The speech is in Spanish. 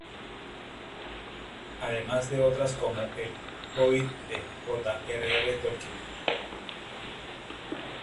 Además de otras como "El hobbit" de J. R. R. Tolkien.